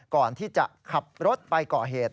ก่อนที่จะขับรถไปก่อเหตุ